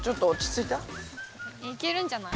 いけるんじゃない？